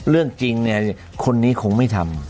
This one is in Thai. เรื่องจริงคนนี้คงไม่ทำ